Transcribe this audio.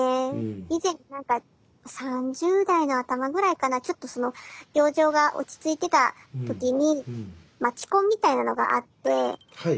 以前何か３０代のあたまぐらいかなちょっとその病状が落ち着いてた時に街コンみたいなのがあって。